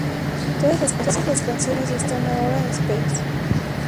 Todas las canciones están ahora en su MySpace.